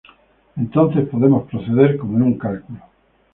Entonces podemos proceder como en un cálculo.